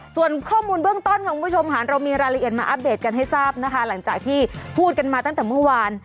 ส่วนข้อมูลเบื้องต้นของคุณผู้ชมค่ะเรามีรายละเอียดมาอัปเดตกันให้ทราบนะคะหลังจากที่พูดกันมาตั้งแต่เมื่อวาน